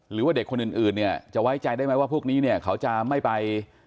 หรือว่าเด็กคนอื่นเนี่ยจะไว้ใจได้ไหมว่าพวกนี้เนี่ยเขาจะไม่ไป